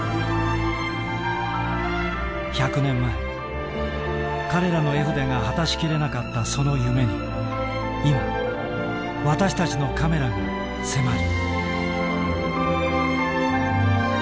１００年前彼らの絵筆が果たしきれなかったその夢に今私たちのカメラが迫る。